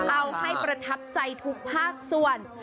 เอาให้ประทับใจทุกภาคส่วน